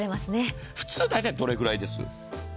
普通、大体どれくらいですか？